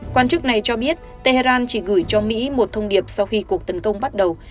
quan chức này cho biết tehran chỉ gửi cho mỹ một thông điệp sau khi cuộc tấn công bắt đầu